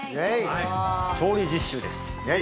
調理実習です。